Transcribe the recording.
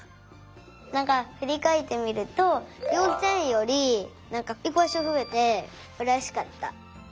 なんかふりかえってみるとようちえんよりなんかいくばしょふえてうれしかった。